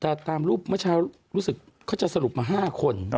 แต่ตามรูปเมื่อเช้ารู้สึกเขาจะสรุปมา๕คน